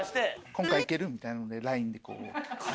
「今回いける？」みたいなのでＬＩＮＥでこう。